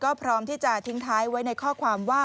ก็พร้อมที่จะทิ้งท้ายไว้ในข้อความว่า